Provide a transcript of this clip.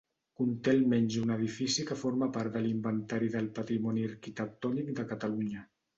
Conté almenys un edifici que forma part de l'Inventari del Patrimoni Arquitectònic de Catalunya.